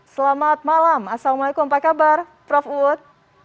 selamat malam assalamualaikum apa kabar prof uud